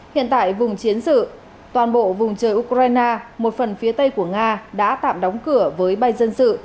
hiện tại vùng chiến sự toàn bộ vùng trời ukraine một phần phía tây của nga đã tạm đóng cửa với bay dân sự